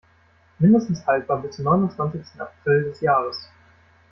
Mindestens haltbar bis neunundzwanzigten April des Jahres.